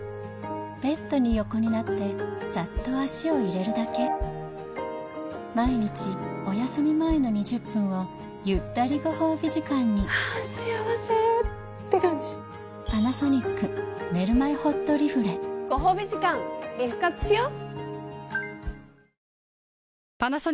ベッドに横になってさっと足を入れるだけ毎日おやすみ前の２０分をゆったりご褒美時間にはぁ幸せってかんじパナソニック『ねるまえほっとリフレ』ご褒美時間リフ活しよっ！